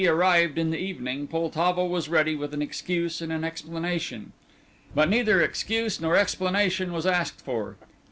arrived in the evening Poltavo was ready with an excuse and an explanation. But neither excuse nor explanation was asked for.